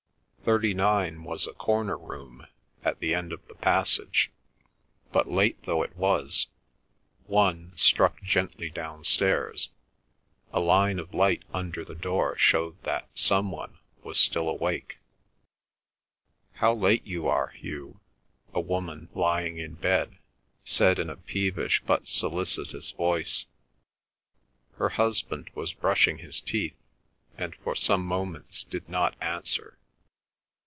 Thirty nine was a corner room, at the end of the passage, but late though it was—"One" struck gently downstairs—a line of light under the door showed that some one was still awake. "How late you are, Hugh!" a woman, lying in bed, said in a peevish but solicitous voice. Her husband was brushing his teeth, and for some moments did not answer.